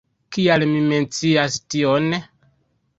Kial mi mencias tion?